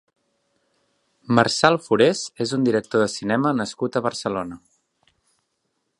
Marçal Forés és un director de cinema nascut a Barcelona.